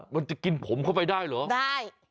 มันจะกินผมเข้าไปได้เหรอได้